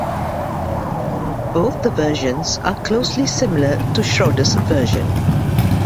Both the versions are closely similar to Schroderus' version.